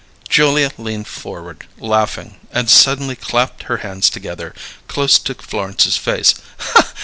Julia leaned forward, laughing, and suddenly clapped her hands together, close to Florence's face.